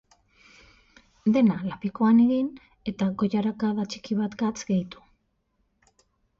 Dena lapikoan egin, eta goilarakada txiki at gatz gehitu.